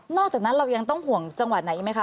จากนั้นเรายังต้องห่วงจังหวัดไหนอีกไหมคะ